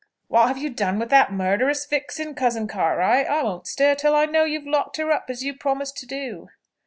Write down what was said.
"What have you done with that murderous vixen, cousin Cartwright? I won't stir till I know you have locked her up, as you promised to do."